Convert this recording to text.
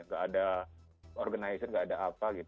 tidak ada organizer tidak ada apa gitu